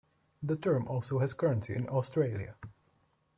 The term also has currency in Australia.